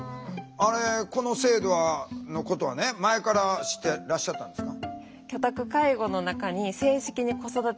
あれこの制度のことはね前から知ってらっしゃったんですか？